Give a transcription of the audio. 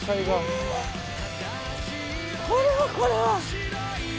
これはこれは。